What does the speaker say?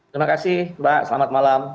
terima kasih mbak selamat malam